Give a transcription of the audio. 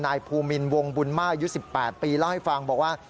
นายภูมินวงบุญมายุค๑๘ปีเล่าให้ฟังบอกว่า